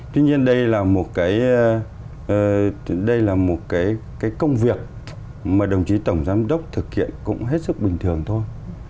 tuy nhiên đây là một cái công việc mà đồng chí tổng giám đốc thực hiện cũng hết sức bình thường thôi